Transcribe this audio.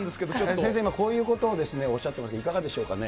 先生、今こういうことをおっしゃっていますが、いかがでしょうかね。